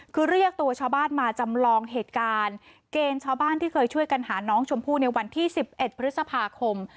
คือเรียกตัวชาวบ้านมาจำลองเหตุการณ์เกณฑ์ชาวบ้านที่เคยช่วยกันหาน้องชมพู่ในวันที่๑๑พฤษภาคม